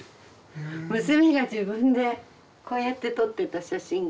娘が自分でこうやって撮ってた写真が。